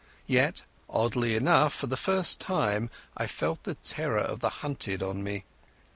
Yet, oddly enough, for the first time I felt the terror of the hunted on me.